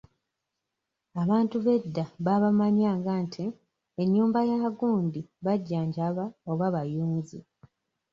Abantu b'eda baabamanyanga nti ennyumba ya gundi bajjanjabi oba bayunzi.